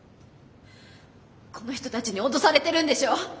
この人たちに脅されてるんでしょ？